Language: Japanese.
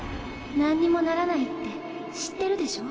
なんにもならないって知ってるでしょ？